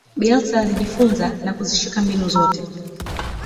bielsa alijifunza na kuzishika mbinu zote